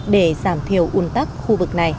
để giảm thiểu ủn tắc khu vực này